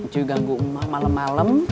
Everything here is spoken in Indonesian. cuy ganggu umah malem malem